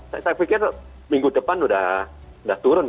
saya pikir minggu depan sudah turun